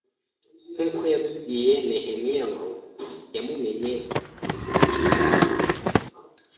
nk’uko yabibwiye Nehemiya ngo “yamumenye itaramurema.”